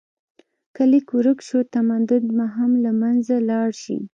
که لیک ورک شو، تمدن به هم له منځه لاړ شي.